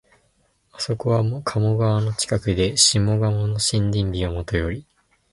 あそこは鴨川の近くで、下鴨の森林美はもとより、